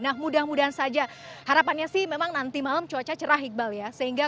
nah mudah mudahan saja harapannya sih memang nanti malam cuaca cerah iqbal ya